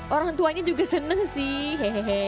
orang tuanya juga senang sih